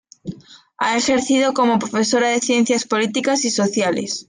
Ha ejercido como profesora de ciencias políticas y sociales.